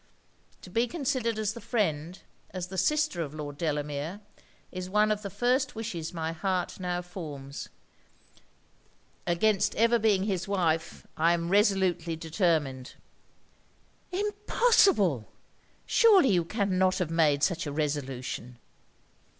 To be considered as the friend, as the sister of Lord Delamere, is one of the first wishes my heart now forms against ever being his wife, I am resolutely determined.' 'Impossible! Surely you cannot have made such a resolution?'